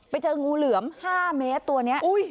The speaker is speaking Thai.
ไปเจองูเหลือม๕เมตรตัวนี้